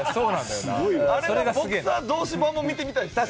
あれのボクサー同士版も見てみたいですね。